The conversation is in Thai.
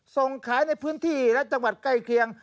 ส่งขายในพื้นที่และจังหวัดใกล้เคียง